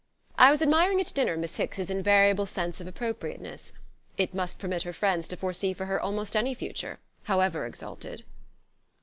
"I was admiring, at dinner, Miss Hicks's invariable sense of appropriateness. It must permit her friends to foresee for her almost any future, however exalted."